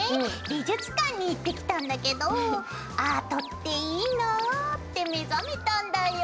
美術館に行ってきたんだけどアートっていいなって目覚めたんだよ。